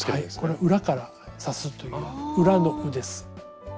これは裏から刺すという裏の「う」です。